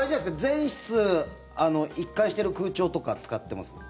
全室一貫してる空調とか使ってます？